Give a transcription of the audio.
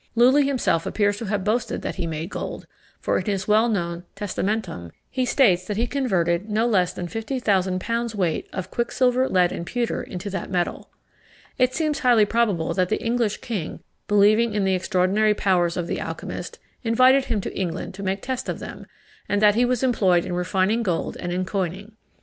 Lulli himself appears to have boasted that he made gold; for, in his well known Testamentum, he states that he converted no less than fifty thousand pounds weight of quicksilver, lead, and pewter into that metal. It seems highly probable that the English king, believing in the extraordinary powers of the alchymist, invited him to England to make test of them, and that he was employed in refining gold and in coining.